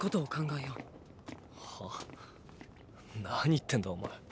何言ってんだお前。